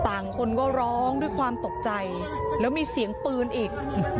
คนก็ร้องด้วยความตกใจแล้วมีเสียงปืนอีก